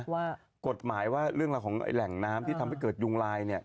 ว่ากฎหมายว่าเรื่องราวของแหล่งน้ำที่ทำให้เกิดยุงลาย